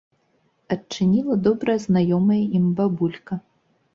Адчыніла добра знаёмая ім бабулька.